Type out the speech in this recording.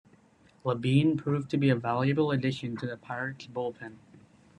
Labine proved to be a valuable addition to the Pirates' bullpen.